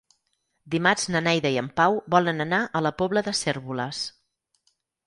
Dimarts na Neida i en Pau volen anar a la Pobla de Cérvoles.